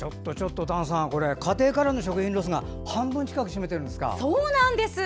丹さん、家庭からの食品ロスが半分近くそうなんです。